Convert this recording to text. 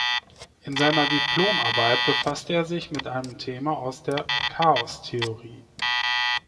In seiner Diplomarbeit befasste er sich mit einem Thema aus der Chaostheorie.